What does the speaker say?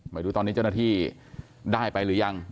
ไม่รู้ตอนนี้เจ้าหน้าที่ได้ไปหรือยัง